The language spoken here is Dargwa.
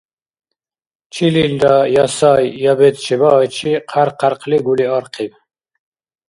Чилилра я сай я бецӀ чебаайчи хъярхъ-хъярхъли гули архъиб.